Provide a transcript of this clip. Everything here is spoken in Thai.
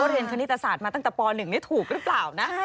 เรียนคณิตศาสตร์มาตั้งแต่ป๑นี่ถูกหรือเปล่านะ